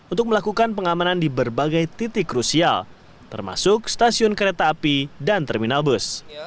untuk melakukan pengamanan di berbagai titik krusial termasuk stasiun kereta api dan terminal bus